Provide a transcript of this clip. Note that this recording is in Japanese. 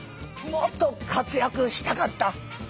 もっと活躍したかった？